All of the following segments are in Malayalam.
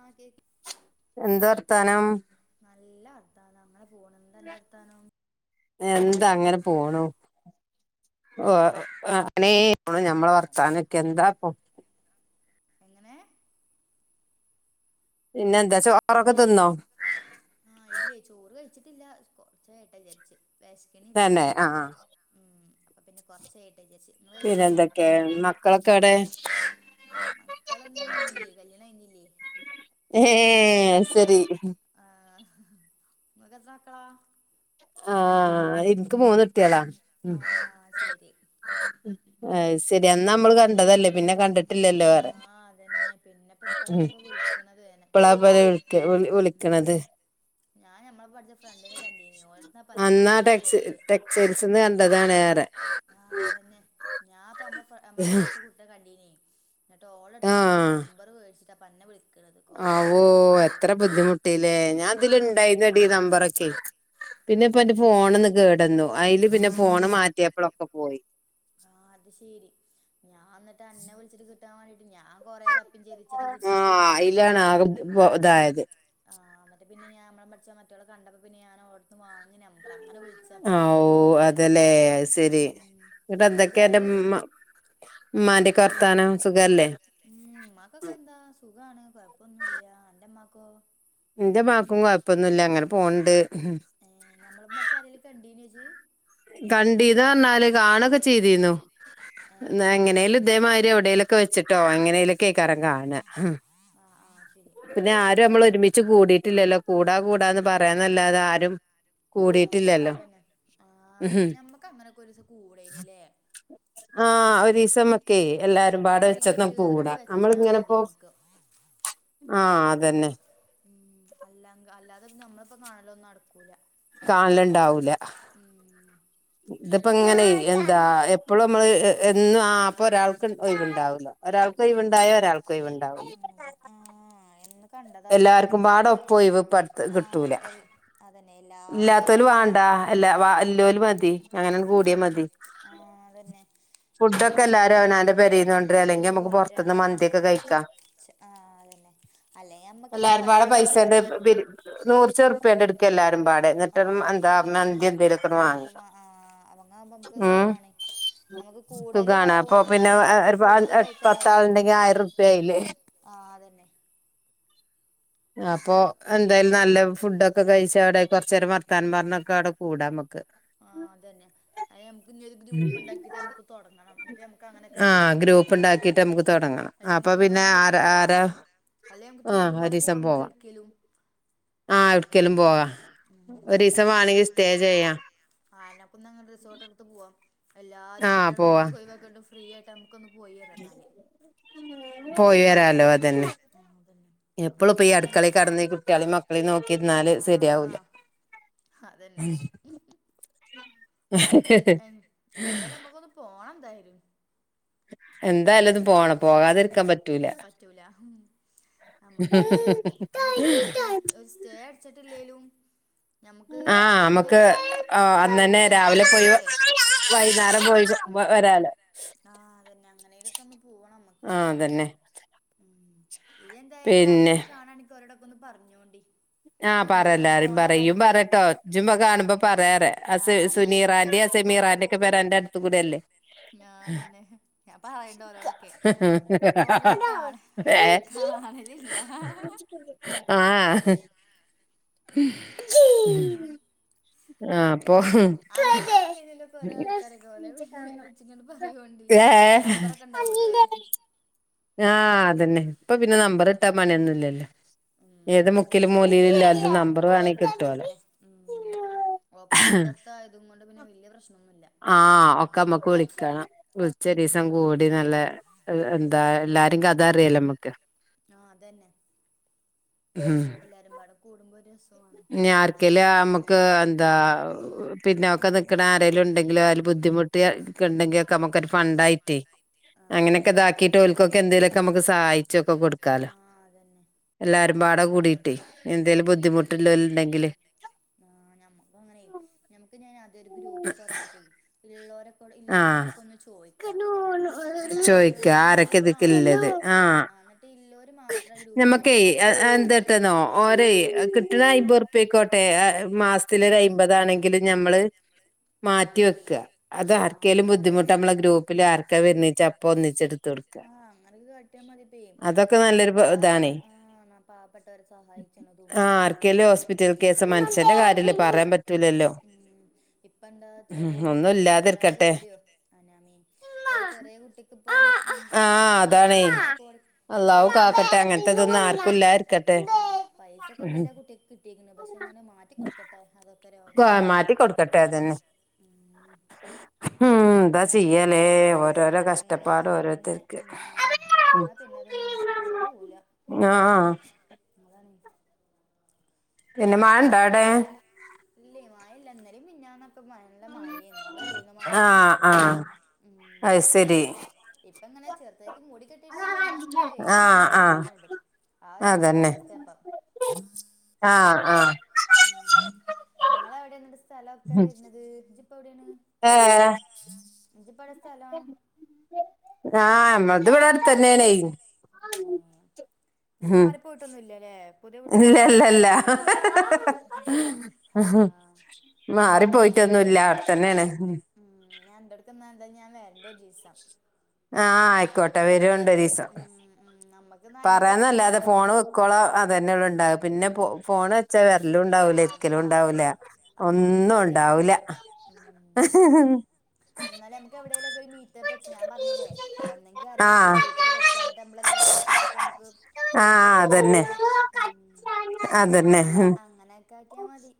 ആഹ് കേക് എന്ത വർത്താനം നല്ല വർത്താനം അങ്ങെനെ പോണ് എന്ത അന്റെ വർത്താനം എന്ത അങ്ങെനെ പോണു ഒഹ് [unintelligible] ളെ ഞമ്മെളെ തിന്നോ വർത്താനാെക്കെ എന്താപ്പം എങ്ങെനേ പിന്നെ എന്താ ചോറൊക്കെ ത്‌ന്നോ ആഹ് ഇല്ലേ ചോറ് കയ്ച്ച്ട്ട്ല്ലാ കൊർച്ച് കയ്യെട്ടെചാര്ച്ച് വെശ്ക്ക്ണ്ല്ലാ തന്നെ ആ ഊം അപ്പ പിന്നെ കൊർച്ച് കയ്യട്ടെചാര്ച്ച് പിന്നെന്തൊക്കേ മക്കളൊക്കെ എവ്ടേ മക്കളൊന്നും ഇല്ല്യേ കല്ല്യാണം കയ്ഞ്ഞില്ല്യേ ഏഹ് അത് സെരി ആഹ് ങ്ങെൾക്കെത്ര മക്കളാ ആഹ് ഇൻക്ക് മൂന്നുട്ട്യേളാ ആഹ് ആഹ് ശെരി അത് സെരി അന്നമ്മള് കണ്ടതല്ലേ പിന്നെ കണ്ട്ട്ട്ല്ലല്ലോറ്യ ആഹ് അതന്നെ പിന്നെപ്പ ഉം ഇപ്പളല്ലേ ഇപ്പൊ വിളിക്കണത് തന്നെ പ്പളാപത് വ്ളിക്ക് വ്ളി വ്ളിക്ക്ണത് ഞാൻ ഞമ്മളെപ്പം പഠ്ച്ച ഫ്രണ്ടിനെ കണ്ടീനി ഓളെട്ത്ത്ന്നാപ്പ അന്റെ നമ്പറൊക്കെ വേട്ച്ചെ സെയ്ൽസ്ന്ന് കണ്ടതാണ് അറ്യാ ആഹ് അതെന്നെ ഞാൻ പർഞ്ഞു പ്പ മ്മളെപ്പം പഠ്ച്ച കുട്ട്നെ കണ്ടീന്യേ ന്നെട്ട് ഓളെട്ത്ത്ന്ന് ഞാൻ ഞമ്പെറ് വേട്ച്ചാപ്പന്നെ വിളിക്ക്ണത് ആവൂ എത്ര ബുദ്ധിമുട്ടീലേ ഞാൻ തില് ബുദ്ധിമുട്ടില്ലേ ണ്ടായ്ന്നെടി നമ്പറൊക്കെ പിന്നെ ഇബന്റെ ഫോണ്ന്ന് പിന്നെപ്പന്റെ ഫോണൊന്ന് കേടന്നു അയ്ല് പിന്നെ ഫോണ് മാറ്റ്യേപ്പളൊക്കെ പോയി. ആഹ് അത് ശെരി ഞാൻ ന്നിട്ട് അന്നെ വിളിച്ചിട്ട് കിട്ടാൻ വാണ്ടീട്ട് ഞാൻ കൊറേ തപ്പിം ചെയ്ത് ആഹാ അയിലാണ് ആക തായത് ആഹ് ന്ന്ട്ട് പിന്നെ ഞാ അമ്മളപ്പം പഠിച്ചാ മറ്റോളെ കണ്ടപ്പോ പിന്നെ ഞാനോട്ത്തുന്ന് വാങ്ങി നമ്പറങ്ങനെ വിൾ ആ വു അതല്ലേ അഹ്സെരി. ഉം ന്ന്ട്ട് ഇജ് ന്തക്കെ അന്റെ ആരേലൊക്കെ മ്മാ ഏഹ് മ്മാന്റെക്കെ വർത്താനം സുഖല്ലേ. ഉം മ്മാക്കൊക്കെ എന്താ സുഖാണ് കൊയ്പ്പൊന്നുംല്ല. അന്റെമാക്കോ? എന്റെമ്മാക്കും കൊയപ്പൊന്നുല്ല അങ്ങനെ പോണ്ട്. ഏഹ് നമ്മളപ്പം പട്ച്ചാരേലും കണ്ടീനോജ്ജ്? കണ്ടീനോ പർഞ്ഞാല് കാണൊക്കെ ചയ്തീന്നു ഏഹ് ന്നാ എങ്ങനെല്ല ഇതേമാരി എവിടേലൊക്കെ വെച്ചിട്ടോ എങ്ങനെലൊക്കെ ക്കാരം കാണ. ആഹ് ആഹ് ശെരി പിന്നെ ആരു അമ്മൾ ഒരുമിച്ച് കൂടിട്ടില്ലല്ലോ കൂടാ കൂടാന്ന് പറിന്നല്ലാതെ ആരും. ആഹ് കൂടിയിട്ടില്ലല്ലോ അതന്നെ ആഹ് ഉം ഞമ്മക്ക് അങ്ങനെക്കൊരൂസം കൂടെയ്നിലേ ആഹ് ഒരീസമ്മക്കെയ് എല്ലാരും പാട ഒരു ഗെറ്റ് ഉച്ചക്ക് ടുഗെദറായിട്ട് കൂടാ. വെച്ചാ മതി നമ്മളിങ്ങനപ്പെ നമ്മക്ക് ആഹ് അതെന്നെ ഉം അല്ല അല്ലാതെ നമ്മള്പ്പോ കാണലൊന്നും നട്ക്കൂല. കാണൽണ്ടാവൂല ഉം ഇതിപ്പോ എന്ന് ങ്ങനെയ് കണ്ടതാപ്പൊ എന്താ എപ്പളും നമ്മള് എന്നും ആ പ്പൊ ഒരാൾക്ക് ഒയ്വ്ണ്ടാവൂല. ഒരാൾക്ക് ആഹ് ഒയിവ്ണ്ടായ ഒരാൾക്ക് ഒയിവ്ണ്ടാവൂല. ആഹ് എന്ന് കണ്ട എല്ലാർക്കും പാടെ ഒപ്പം ഒയിവ് ഇപ്പട്ത്ത് ആഹ് കിട്ടൂല. എൽ അതന്നെ എല്ലാ ഇല്ലാത്തോല് വാണ്ട എല്ലാ ഇല്ലോല് മതി. തി അങ്ങനാണ്ട് ആഹ് കൂടിയാ അതന്നെ മതി. ആഹ് അതന്നെ ഫുഡൊക്കെ ഇള്ള എല്ലാരും അവനാന്റെ പെരീന്ന് കൊണ്ട്ര അല്ലെങ്കി നമുക്ക് കൊണ്ട്രാ പൊർത്ത്ന്ന് മന്തി ഒക്കെ ആഹ് കഴിക്കാ. ആഹ് അതന്നെ അല്ലേ നമ്മക്കിപ്പ എല്ലാരുംപാടെ പൈസല്ലാതെ പൈസന്റെ നൂറ് ചെർപ്പ്യാണ്ട് ഇട്ക്ക എല്ലാരു മ്പാടെ ആ എന്നിട്ട് എന്താ എന്നിട്ടൊരു മന്തി എന്തേലൊക്കങ്ങ് മാങ്ങ മന്തിയൊക്കെ വാ- ആ, അവങ്ങാകുമ്പോ നമുക്ക് ഉം സുഖാണ് നമുക്ക് കൂടലും സുഖാണ് ആവും അപ്പൊ പിന്നെ ഒരുമിച്ച് എല്ലാവർക്കും ഒര് ഫുഡും പത്താള്ണ്ടെങ്കി ആയിര ഉർപിയിലെ. ആഹ് അതന്നെ അപ്പൊ എന്തായാലും നല്ല ഫുഡൊക്കെ കഴിച്ച് അവിടെ കൊർച്ചേരം വർത്താനം പർഞ്ഞൊക്കെ അവ്ടെ കൂടാ അമ്മക്ക്. ആഹ് അതെന്നെ അയിന് നമുക്ക് ഇഞ്ഞി ഒരു ഗ്രൂപ്പ്ണ്ടാക്കീട്ട് നമ്ക്ക് തൊടങ്ങണം എന്നിട്ട് നമുക്കങ്ങനൊക്കെ ആ ചെയ്യെണം. ഗ്രൂപ്പ് ഉണ്ടാക്കിട്ട് നമുക്ക് തുടങ്ങണം എന്നിട്ട് അപ്പൊ നമക്ക് അങ്ങനെ പിന്നെ ആര ഒരൂസം പോവാ. ആരാ അല്ല നമുക്ക് ആ ടൂറ് പോലെ പോവാ ഒരീസം നമുക്ക് പോവാം എട്ക്കേലും. ആഹ് ഒട്ക്കേലും പോവാ ഉം. ഒരീസം മാണെങ്കി സ്റ്റേ ചെയ്യാ. ആനകുന്ന് റിസോട്ട്ട്ത്ത് പോവാ എല്ലാരും ആഹ് കുട്ട്യളും പോവാ മക്കളും ഒയിവാക്ക്യാണ്ട് ഫ്രീ ആയിട്ട് ന നമുക്കൊന്ന് പോയെരെന്നാല് പോയി വെരാലോ അതെന്നെ ആ അതന്നെ എപ്പളും ഇപ്പൊ ഈ അല്ലാതൊന്നും അട്ക്കളി കട്ന്ന് ഈ കുട്ട്യാളിം മക്ക ളിം നോക്കിയിര്ന്നാല് സെരിയാവൂല. ആഹ് അതന്നെ എൻ എൻ എന്തായാലും നമുക്കൊന്ന് പോണെന്തായാലും. എന്തായാലും ഇത് പോണം പോകാതിരിക്കാൻ പറ്റൂല പറ്റൂല നമ്മക്ക് അടിച്ചേ ഇഞ്ഞിപ്പോ സ്റ്റേ അടിച്ച്ട്ട്ല്ലേലും. ഞമുക്ക് എന്ത ആഹ് അമ്മക്ക് എവ്ട്ന്നേലൊക്കൊന്ന് ആഹ് ഫുഡ് കഴിക്കാൻ രാവിലെ പോയി പോവേ വൈന്നാരം പോയി വെരാലോ ആഹ് അതന്നെ അങ്ങനേലൊക്കൊന്ന് പോണം ഞമ്മക്ക് ആഹ് അതെന്നെ ഉം ഇയെന്തായാലും പിന്നെ ആരെങ്കിലൊക്കെ കാണാണെങ്കി ഒരോടൊക്കെ ഒന്ന് പർഞ്ഞോണ്ടി ആഹ് പറല്ലാരും പറയും പറട്ടോ ഇജും കാണുമ്പോ പറയാറ ആ സു ആഹ് ഞാൻ സുനീറാന്റിം സെമീറാ ൻ്റൊക്കെ പെര അന്റെ അട്ത്ത് കൂടേല്ലേ ആഹ് അതെന്നെ ഞാൻ പറയണ്ട് ഓലോടൊക്കെ ഇപ്പൊ ഓലൊന്നും കാണെ ഏ കാണലില്ലാ ആഹ് ആഹ് അപ്പൊ അന്റട്ത്തുണ്ടേന്യല്ലോ കൊറേ ആൾക്കാരൊക്കെ ഓലെ ഇജ് ഇങ്ങട്ട് പറയോണ്ടി ഏ നമ്പറൊക്കെ ഇണ്ടാവൂലേ ആഹ് അതെന്നെ ഇപ്പൊ പിന്നെ നമ്പറ്ട്ടാ പണി ഒന്നൂല്ലല്ലേ ഉം ഏത് മുക്കിലും പിന്നെങ്ങനെ മൂലേല് ഇല്ലോര്തും നമ്പറ് വേണെങ്കി കിട്ടോലോ ആന്നെ ഉം ഒക്കെ അട്ത്തട്ത്ത് ആയതും കൊണ്ട് പിന്നെ വല്യ പ്രശ്നൊന്നുല്ല ആഹ് ഒക്കെ ഞമ്മക്ക് വിളിക്കണം വിൾച്ച് ഒരീസം ഉം കൂടി നല്ല എ ഉം എല്ലാരിം കഥറ്യാലോ ആഹ് അതന്നെ ഉം എല്ലാരുംമ്പാടെ കൂടുമ്പൊ ഒര പിന്നെ ആര്ക്കേലും ഞമ്മക്ക് എന്താ പിന്നെ ഒക്കെ നിക്ക്ണേ ആരേലുണ്ടെങ്കിലും ഒര് ബുദ്ധിമു ട്ടി ഒക്കെണ്ടെങ്കിക്കെ നമുക് ഒരു ഫണ്ടായ്ട്ടേ ആഹ് അങ്ങനൊക്കെ അതന്നെ ഇതാക്കീട്ട് ഓൽക്കൊക്കെ എന്തേലൊക്കെ അമക്ക് സഹായി ആഹ് അതന്നെ എല്ലാരും പാടെ നമുക്ക് കൂടിട്ടേ എന്തേലും ആഹ് ബുദ്ധിമുട്ടില്ലോല് ഇണ്ടെങ്കില് ആഹ് ഞമ്മക്കു അങ്ങനെ ഞമ്മക്ക് ഇഞ് ആദ്യൊരു ഗ്രൂപ്പ് തൊടങ്ങീട്ടെ ഇള്ളോരെ ആഹ് ഇള്ളരോടൊക്കൊന്ന് ചോയ്ക്ക ഇങ്ങട്ടാ ചോയിക്ക ഇല്ലോര് ആരൊക്കെ ഇല്ലോരും ആഹ് ഇതിക്കില്ലത് ഇല്ലോരും ആഹ് ഇല്ലാര് മാത്രം ആ ഗ്രൂപ്പിൽ നിർത്താ ബാക്കി എന്തട്ടെന്നോ ഓരെ കിട്ടണ അയ്‌മ്പുർ പ്പ്യായ്ക്കോട്ടെ മാസ് ത്തിലൊരു അയ്മ്പതാണെങ്കിലും ഞമ്മള് മാറ്റി വെക്ക അത് ആർക്കോലും ബുദ്ധിമുട്ട് നമ്മളെ ഗ്രൂപ്പിൽ ആർക്ക വരണീച്ച അപ്പെ ഒന്നിച്ച് എടുത്തെട്ക്ക [unintelligible] മതിപ്പ അല്ലെങ്കിപ്പ പാവപെ ആ പാവ പാവപ്പെട്ടവരെ സഹായിച്ച്ണതും ഉം ആഹ് ആർക്കേലും ഹോസ്പിറ്റൽ ആര്ക്കോങ്കിലും കേസ് ഹോസ്പിറ്റൽ കേസൊക്കെ കാര്യല്ലേ മനുഷ്യന്റെ പറയാൻ പറ്റൂലല്ലോ കാര്യല്ലേ ഇപ്പ എന്താ ഉം ചെറിയൊരു ഒന്നും കുട്ടിക്ക് പതിന പതിനാറ് ഇല്ലാതിരിക്കട്ടെ കോടിയോ അവനെ ആമീൻ ഇപ്പ ചെറിയ കുട്ടിക്ക് ഇപ്പം എന്തോ ആഹ് പ്രശ്നമായിട്ട് അതാണ് പതിനാറ് കോടി അള്ളാഹു ആയക്കെക്കണ്ടിലെ കാക്കട്ടെ അങ്ങനത്തെതൊന്നും ആർക്കും ഇല്ലാതിരിക്കട്ടെ അയന്നെ പൈസൊക്കെ എന്തായാല ആ കുട്ടിക്ക് കിട്ടിക്ക്ണ് പക്ഷെ എന്നാലും മാറ്റി കൊടുക്കട്ടെ അതൊക്കെ ഒക്ക ഉം രോഗങ്ങളൊക്കെ മാറ്റി കൊടുക്കട്ടെ അതന്നെ കെടുക്കട്ടെ ഉം ഉം എന്താ എന്താണ് ചെയ്യലേ വന്ന ഓരോരോ വന്നാ കഷ്ടപ്പാട് പിന്നെ ഓരോരുത്തർക്ക് ഉം വന്നാ പിന്നെ അതൊന്നും പോവൂല ആഹ് അതാണെയ് പിന്നെ മയണ്ടെ അവിടെ ഇല്ലെ മയല്ല ഇന്നലെം മിഞ്ഞാന്നെ ല്ല മഴു അവിടെല്ലീന്ന് മഴൊക്കെ ആഹ് ആഹ് ഉം അയ് ശരി ഇപ്പ്‌ങ്ങനെ ചെർ- അതായത് മുടി കെട്ടിയിട്ടുണ്ട് എന്നാ ഇങ്ങനെ വെയ്ലർച്ചന ആഹ് പോലെ ആഹ് ന്നിക്കുണുണ്ട്, ആ ഒരവസ്ഥപറ അതന്നെ അവസ്ഥേപ്പം. ആഹ് ആഹ് ഉം നിങ്ങളവടെന്നിട്ട് സ്ഥലെർക്കാ വെര്നത് ഇജ്ജ്പ്പ എവിടെണ്. ഏ ഹ് ഇജിപ്പവടെ സ്ഥലം. ആഹ ന്നത്ഇവടെ അട്ത്തനെണെയ് ആഹ ഇജ്ജ് മാറി പോയിട്ടൊന്നുല്ലലേ. ഇല്ലല്ലല്ലല്ല ഹ ഹ ആ ഹ ഇഹ് മാറി അന്റെടുത്ത് പോയ്റ്റൊന്നുല്ല, അവ്ട്ത്തനെണ് ഹും. ഉം ഞാൻഎന്റെട്ക്കന്തേഞാ വെര്ണ്ടൊരീസം. [unintelligible] ആഹ ആയ്ക്കോട്ടെ വെരോണ്ടൊരീസം, ഉം ഉം നമ്മക്ക് എന്നാ അന്റെ വീട്ടിൽ പറയൊന്നല്ലാതെ തന്നെ ഫോണ് വെക്ക്- ക്കോളം അതനെ ഇവടെ ഇണ്ടാവാ പിനെ പൊ ഫോണ്- ച്ച ആ വെര്ലുണ്ടാവൂല അത് ഇരിക്കലുണ്ടാവൂല അത് ഒന്നും ശരിയാണ് ഉണ്ടാവൂല. അ ഉം. ഹഹാ എന്നാലും ന്നമക്കെവിടെലൊക്കെ ഒരു മീറ്റ്- എരെത്തെച്ചോ ഞാ പറഞ്ഞിലെ ഒന്നെങ്കി അരെലൊക്കെ ആഹ് വീട്ടില് വെക്കാ എന്നിട്ട് ന്നമ്മളെല്ലാരും പൈസ എടുത്തിട്ട് ന്നമ്ക്ക്- ഫുഡൊക്കെ വാങ്ങി ഉം. അതനെ അങ്ങനെയൊക്കെ ഹും. അങ്ങനെയൊക്കെ ആക്കിയാമതി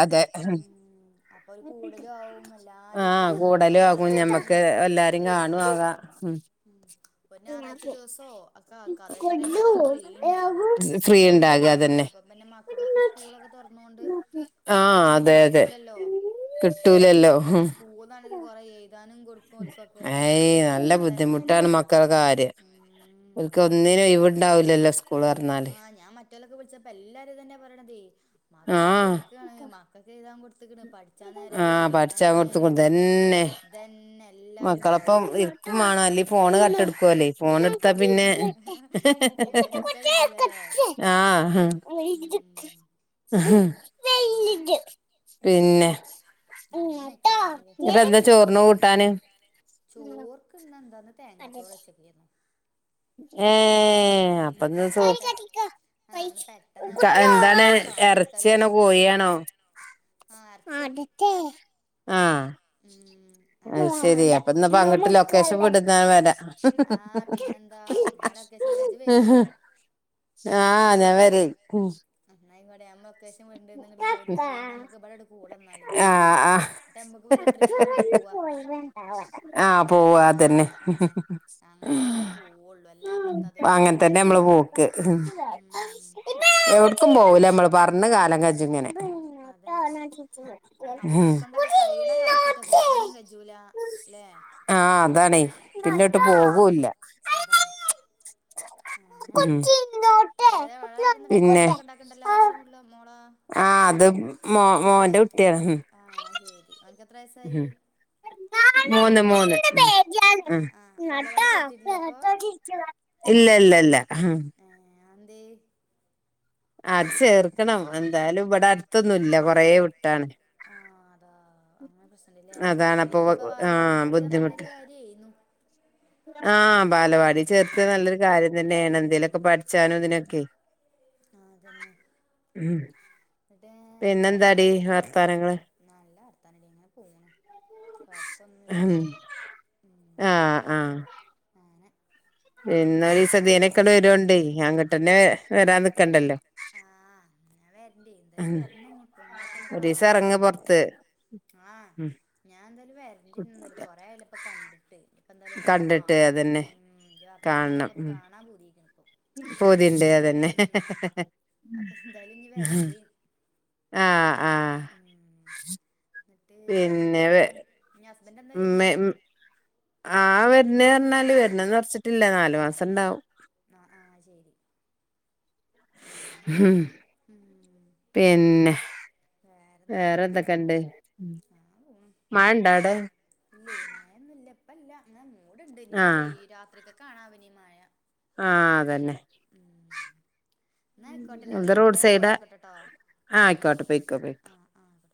മതി ഉം അപ്പൊ ഒരു കൂടൊലും ആവും ആഹ് എല്ലാരെറ്റും കൂടലും നല്ലോണം ആകും വർത്തനൊക്കെ പറഞ്ഞ് ഞമ്മക്ക് എല്ലാരും കാണും ഉം. ആകാ ഉം ഒര് നായറാഴ്ച ദിവസോ ഒക്ക ആക്ക അതേ കാരം എല്ലാർക്കും ഫ്രീ ഇണ്ടാവ ഫ്രീ അപ്പം ഉണ്ടാക പിന്നെമ ആ അതന്നെ അതെനെ- മക്കക്കൊക്കെ സ്കൂളൊക്കെ തൊറന്നോൊണ്ട് ആരേം ആഹ് അങ്ങനെ അതെ അതെ കിട്ടൂലല്ലോ. കിട്ടൂലല്ലോ ഹു. പൂതാണെങ്കി കൊറെ എയ്താനും കൊടുക്കും. ഓൽക്കൊക്കെ എയ് ന്നല്ല പിന്നെ അതന്നെ ബുദ്ധിമുട്ടാണ് മക്കളെകാര്യം. ഉം ഒന്നിനൊയ് വ്ണ്ടാവുല്ലല്ലോ സ്കൂളൊർന്നാല്. ഈത് വിളിച്ചപ്പോ എല്ലാരും അത് തനെ പറയണതേയ് ആഹ് മക്കളൊപ്പിരിക്കാണ് മക്കക്ക് ചെയ്യാൻ കൊട് ത്ത്ക്ക്‌ണ് പടി- ക്കാന്നേരല്ല ആഹ് എയ്താനേ പഠിച്ചാൻ കൊടുത്തുക്കും ന്നേരൊള്ളു ഇതന്നെ ഇതനെ എല്ലാരും പറയണത്. മാണോ അല്ലെ ഫോണ് പർ ഞ്ഞിട്ടെടുക്കേലെ. ഫോണെടുത്താ പിനെ ആഹ് ഹ് പിന്നെ പുടിച്ചാ കിട്ടൂലല്ലേ ഹ് ആഹ ഉം ഇഹ് അങ്ങനെ പിനെ അങ്ങനെയൊക്കെയായില്ലേ ഇതെന്താ ചോറിന് കൂട്ടാന്. ചോർക്ക് ഇന്ന് എന്താന്ന് ഇന്ന് തേങ്ങാ ചോറ് വെച്ച്ക്കെര്ന്നു. പെട്ടന്ന് ഏഹ് ഇന്ന് അപ്പന്ന് സൂ പെട്ട- ആഹ ഇന്ന് പെട്ടെന്ന് പണിഒര്ക്കാൻ എന്താണ് ഇന്ന് പാടി എറച്ചിയാണോ എടുക്കാനൊരുഷാറില്ല. കോഴിയാണോ ആ അർച്ചോ. ആഹ അങ്ങനെ അയ്ശെരി അപ്പന്ന് പങ്ങിട്ട് ലൊക്കേഷൻ വിടുന്നാ വരാ- എന്താ ഞാൻ ലൊക്കേഷൻ വിടാ ഇജ് വെരോ. ആഹ് ഞാവെര് - ഞാ വെരെയ് എന്നാ വെരാ ന്നോക്ക്‌. കൂടാ എന്നാല് ഇന്ന് [inaudible] എന്നിട്ട് നമ്മക്ക് വല്ല ട്രിപ്പ് ഒക്കെ പോവാ ആ പോവാ അതന്നെ അതന്നെ അങ്ങനൊക്കെ തന്നെ പോവുള്ളു അല്ലാപ്പത്താത് പോവൂല്ല അങ്ങനെത്തന്നെ നമ്മള് എവിടുക്കും പോക്ക് ഉം എവിട്ക്കും പോകുല നമ്മള് പറഞ്ഞ കാലം കച ഇങ്ങനെ അതന്നെ നമ്മളെ ഉം കൊണ്ടൊക്കെ കൈയ്ണ കാലത്തൊട്ടെ പോകാനും കജൂല ല്ലെ ആഹ് അതാണേ പിന്നോട്ട് അതാണ് അവസ്ഥ പോകൂല്ല അതാണ് അങ്ങനെ ഉം ഏത വഴായിരുന്നിട്ട് സൗണ്ടൊക്കെ ഉണ്ടാക്ക്ണ്ടല്ലോ അതാര മുള്ള മോളാ ആ അത് മോ മോന്റെ കുട്ട്യാ ആഹ് ശെരി ഓന്ക്ക് എത്ര വയസ്സായി മൂന്ന് മൂന്ന് ആഹ് ആഹ് വാലവാടി ചേർത്തിട്ടില്ല അപ്പൊ ഇല്ല ല്ല ല്ല ആഹ് ഏ അന്തേ അത് ചേർക്കണം എന്തായാലും ഇവിടെ അടുത്തൊന്നുല്ല കൊറ വിട്ടാണ് ആഹ് അതാ അങ്ങനെ പ്രശ്നല്ലേ അതാണപ്പൊ ഇല്ലെങ്കി ഇപ്പ ബാല വാടി ആഹ് ചേർത്ത്യ നല്ലൊരു ബുദ്ധിമുട്ട് കാര്യരുന്നു ആഹ് ബാലവാടി ചേർത്തു നല്ലൊരു കാര്യ തന്നെണ് എന്തേലൊക്കെ പഠിച്ചാനും ഇതിനൊക്കെ ആഹ് അതന്നെ ഉം എന്നിട്ട് വേറെ പിന്നെന്താടി എന്തൊക്കെ വർത്താനങ്ങള് നല്ല വർത്താനടി ഇങ്ങനെ പോണ് ഹ ആഹ് ആഹ് ആനെ പിന്നൊരുസ്രം ഇതി യോനൊക്കെ വരോ ണ്ടെ അങ്ങട്ട്ന്നെ വരാൻ നിക്കണ്ടല്ലോ ആഹ് ഞാ വരണ്ട് എന്താലും ഉം വരണം ഇപ്പ നിങ്ങള ഇപ്പോ ഒന്ന് ഒരീസം കാണണല്ലോ എറങ്ങ് കൊറെേ പൊറത്ത് ആഹ് ഉം ഞാൻ എന്തായാലും വേ [unintelligible] കൊറെയാല്ലോ ഇപ്പ കണ്ടിട്ട് ഇപ്പ എന്തായാലും ഒക്കെ ഒന്ന് കണ്ടിട്ട് കാണണം അതന്നെ ഉം കാണാ പൂതിി ആയിക്ക്ണ് പോതിണ്ട് അതന്നെ അപ്പൊ എന്തായാലും ഇനി വരണ്ട് ആഹ് ആഹ് ഉം എന്നിട്ട് വേറെ പിന്നെ വെ എന്തൊക്കെ ഞി ഹസ്ബന്റ് എന്ന മെ വരുന്നേ ആ വരുന്നറഞ്ഞാല് വരുന്നന്ന്റച്ചിട്ടില്ല നാലു മാസം ഉണ്ടാവും ആ ആഹ് ശെരി ഉം ഉം പിന്നെ വേറെന്നിട്ട് വേറെ എന്തൊക്കെയാ എന്തൊക്കെണ്ട് മയണ്ട വടെ ഇല്ല്യ മായൊന്നുല്ല ഇപ്പല്ല ഇങ്ങനെ മൂടുണ്ട് ഇനിപ്പോ ആഹ് പെയ് രാത്രിക്കക്കാണാവോ ഇ നി മ യ ആഹ് അതന്നെ ഉം ഇന്നയിക്കോട്ടെ ഇന്നെ ഇത് വിളിക്ക്ണ്ട് റോഡ് ഞാ സൈഡാ പോയോക്കോട്ടെട്ടോ ആഹ് ആയിക്കോട്ടെ ചെയ്ക്കോ പെയ് കോ ആയിക്കോട്ടെ